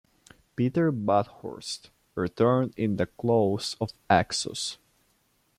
Peter Bathurst returned in "The Claws of Axos".